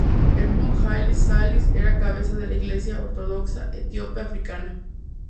El mismo Haile Selassie era cabeza de la iglesia ortodoxa etíope africana.